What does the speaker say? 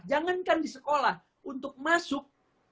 jangankan di sekolah untuk masuk